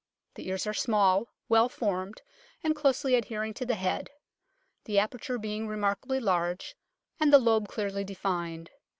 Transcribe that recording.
The ears are small, well formed, and closely adhering to the head ; the aperture being remark ably large, and the lobe clearly defined.